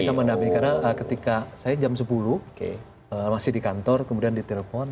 kita mendampingi karena ketika saya jam sepuluh masih di kantor kemudian ditelepon